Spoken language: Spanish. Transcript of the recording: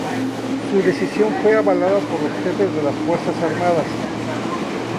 Su decisión fue avalada por los jefes de las fuerzas armadas.